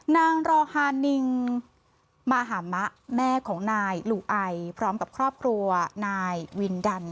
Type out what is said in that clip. นางรอฮานิงมหามะแม่ของนายลูไอพร้อมกับครอบครัวนายวินดัน